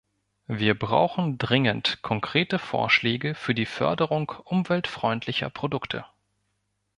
Wir brauchen dringend konkrete Vorschläge für die Förderung umweltfreundlicher Produkte.